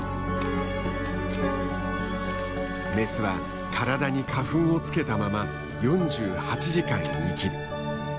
メスは体に花粉をつけたまま４８時間生きる。